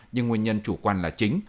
nhưng nguyên nhân chủ quan là chính